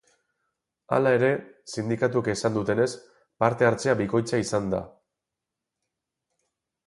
Hala ere, sindikatuek esan dutenez, parte-hartzea bikoitza izan da.